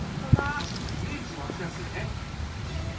確かにイメージ湧きやすいね。